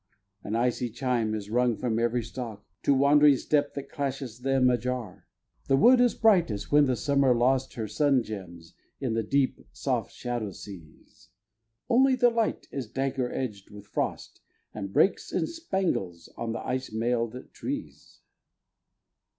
An icy chime is rung from every stalk To wandering step that clashes them ajar. The wood is bright as when the summer lost Her sun gems in the deep, soft shadow seas— Only the light is dagger edged with frost, And breaks in spangles on the ice mailed trees.